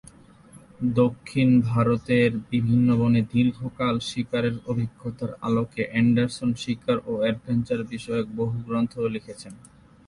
দক্ষিণ ভারতের বিভিন্ন বনে দীর্ঘকাল শিকারের অভিজ্ঞতার আলোকে এন্ডারসন শিকার ও এডভেঞ্চার বিষয়ক বহু গ্রন্থও লিখেছেন।